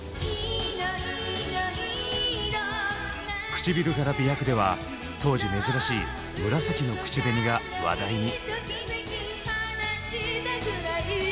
「くちびるから媚薬」では当時珍しい紫の口紅が話題に。